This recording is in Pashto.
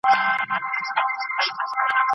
خپل ملي اقتصاد ته وده ورکړئ.